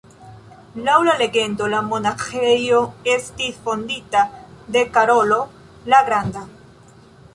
Laŭ la legendo la monaĥejo estis fondita de Karolo la Granda.